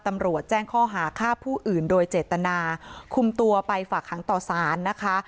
ตำรวจแจ้งข้อหาฆ่าผู้อื่นโดยเจตนาคุมตัวไปฝากหางต่อสารนะคะ